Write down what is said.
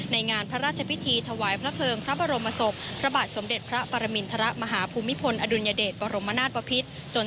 งานพระราชพิธีถวายพระเพลิงพระบรมศพพระบาทสมเด็จพระปรมินทรมาฮภูมิพลอดุลยเดชบรมนาศปภิษจน